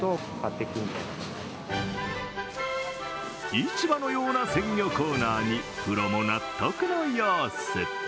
市場のような鮮魚コーナーにプロも納得の様子。